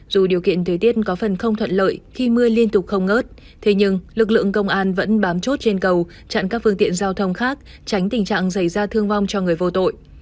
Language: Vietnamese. dù điều kiện thời tiết có phần không thuận lợi khi mưa liên tục không ngớt thế nhưng lực lượng công an vẫn bám chốt trên cầu chặn các phương tiện giao thông khác tránh tình trạng dày ra thương vong cho người vô tội